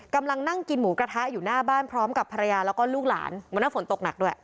กำลังนั่งกินหมูกระทะอยู่หน้าบ้านพร้อมกับภรรยาแล้วก็ลูกหลานวันนั้นฝนตกหนักด้วย